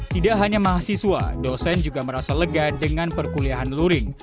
tidak hanya mahasiswa dosen juga merasa lega dengan perkuliahan luring